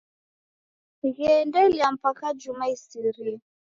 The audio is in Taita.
Gheendelia mpaka juma isirie.